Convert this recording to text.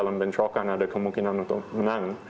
mencokan ada kemungkinan untuk menang